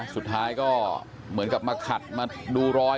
สุดท้ายก็เหมือนกับมาขัดมาดูรอย